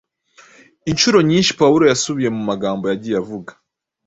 Incuro nyinshi Pawulo yasubiye mu magambo yagiye avuga